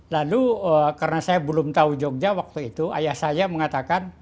lalu karena saya belum tahu jogja waktu itu ayah saya mengatakan